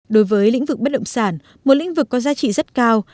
đối với lĩnh vực bất động sản một lĩnh vực có giá trị rất cao